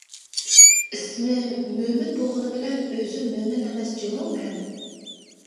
ئىسمىم مۆمىن بولغىنى بىلەن ئۆزۈم مۆمىن ئەمەس جۇمۇ مەن.